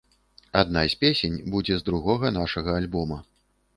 Адна з песень будзе з другога нашага альбома.